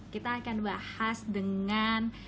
kita akan bahas dengan